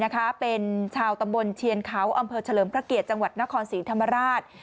เป็นชาวตำบลเชียนเขาอำเภอเฉลิมพระเกียรติจังหวัดนครศรีธรรมราช